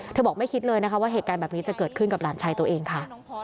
บอกไม่คิดเลยนะคะว่าเหตุการณ์แบบนี้จะเกิดขึ้นกับหลานชายตัวเองค่ะ